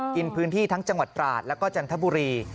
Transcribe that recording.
กินพื้นที่ทั้งจังหวัดตราดแล้วก็จันทบุรี